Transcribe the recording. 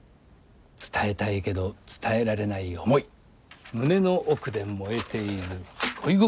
伝えたいけど伝えられない思い胸の奥で燃えている恋心。